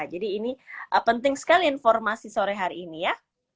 jadi ini penting sekali informasi sore hari ini ya